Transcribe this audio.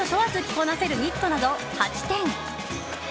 こなせるニットなど８点。